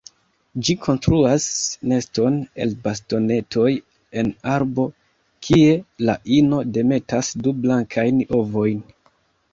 Ĝi konstruas neston el bastonetoj en arbo, kie la ino demetas du blankajn ovojn.